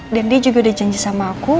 dan dia juga udah janji sama aku